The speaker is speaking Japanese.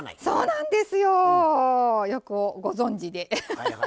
そうなんですよ！よくご存じで。